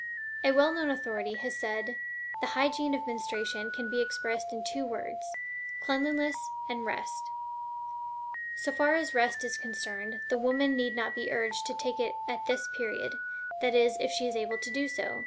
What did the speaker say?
A well known authority has well said: "The hygiene of menstruation can be expressed in two words: CLEANLINESS AND REST." So far as Rest is concerned, the woman need not be urged to take it at this period that is, if she is able to do so.